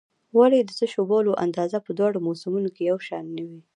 ولې د تشو بولو اندازه په دواړو موسمونو کې یو شان نه وي؟